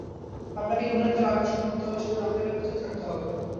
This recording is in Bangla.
আপনাকে গুণের দ্বারা আকর্ষণ করতে হবে, সুতরাং আপনাকে পৃথক থাকতে হবে।